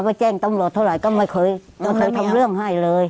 ไปแจ้งตำรวจเท่าไรก็ไม่เคยทำเรื่องให้เลย